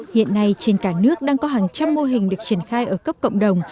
hiện nay trên cả nước đang có hàng trăm mô hình được triển khai ở cấp cộng đồng